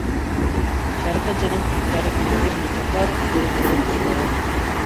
شەرقىي جەنۇب تەرىپىدىكى مۇزلۇقلار بىر-بىرىگە ئوخشاشمايدۇ.